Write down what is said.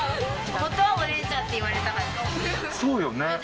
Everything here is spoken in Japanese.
本当はお姉ちゃんって言われたかった。